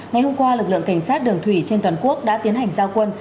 ngày hôm qua lực lượng cảnh sát đường thủy trên toàn quốc đã tiến hành giao quân